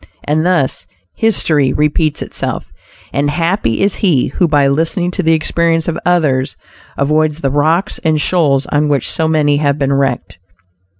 And thus "history repeats itself," and happy is he who by listening to the experience of others avoids the rocks and shoals on which so many have been wrecked.